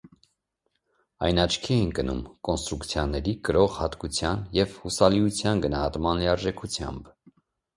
Այն աչքի է ընկնում կոնստրուկցիաների կրող հատկության և հուսալիության գնահատման լիարժեքությամբ։